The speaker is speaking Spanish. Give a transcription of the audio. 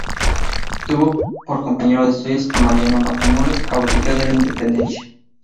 Tuvo por compañero de estudios a Mariano Matamoros, caudillo de la Independencia.